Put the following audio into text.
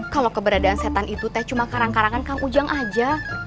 kalau keberadaan setan itu teh cuma karang karangan kang ujang aja